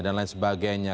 dan lain sebagainya